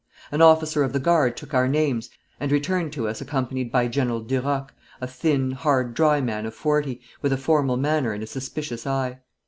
An officer of the guard took our names and returned to us accompanied by General Duroc, a thin, hard, dry man of forty, with a formal manner and a suspicious eye.